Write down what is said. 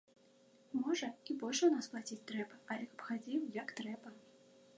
Можа, і больш у нас плаціць трэба, але каб хадзіў, як трэба!